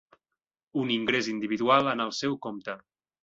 Un ingrés individual en el seu compte.